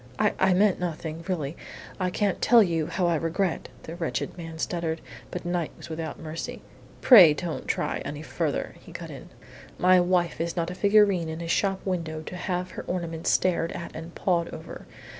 "I I meant nothing. Really, I can't tell you how I regret " the wretched man stuttered. But Knight was without mercy. "Pray don't try any further," he cut in. "My wife is not a figurine in a shop window to have her ornaments stared at and pawed over.